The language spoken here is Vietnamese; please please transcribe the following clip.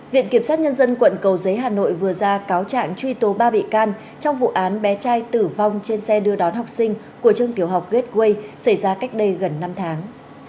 viện kiểm sát nhân dân quận cầu giấy hà nội vừa ra cáo trạng truy tố ba bị can trong vụ án bé trai tử vong trên xe đưa đón học sinh của trường tiểu học gateway xảy ra cách đây gần năm tháng